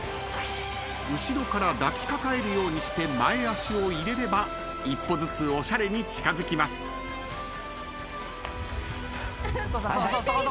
後ろから抱きかかえるようにして前足を入れれば一歩ずつおしゃれに近づきます。